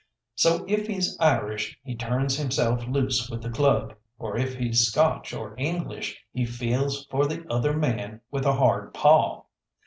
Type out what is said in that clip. So if he's Irish he turns himself loose with a club, or if he's Scotch or English he feels for the other man with a hard paw.